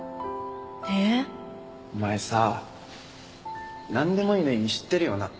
えー！お前さなんでもいいの意味知ってるよな？